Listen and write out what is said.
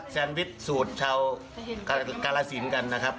แซนวิชสูตรชาวกาลสินกันนะครับ